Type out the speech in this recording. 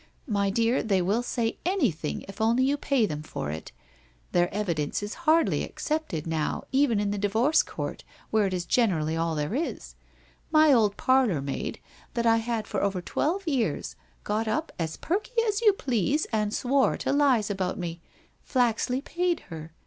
My dear, they will say anything, if only you pay them for it. Their evidence is hardly accepted now even in the divorce court, where it is generally all there is. My old parlour maid, that I had WHITE ROSE OF WEARY LEAF 181 had over twelve years, got up, as perky as you please and swore to lies about me! Flaxley paid her.